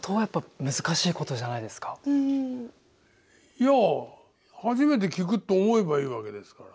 いや初めて聞くって思えばいいわけですから。